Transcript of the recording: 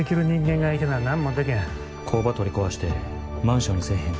工場取り壊してマンションにせえへんか？